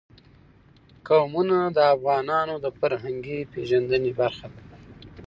قومونه د افغانانو د فرهنګي پیژندنې برخه ده.